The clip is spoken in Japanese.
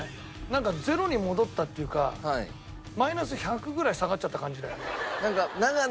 なんかゼロに戻ったっていうかマイナス１００ぐらい下がっちゃった感じだよね。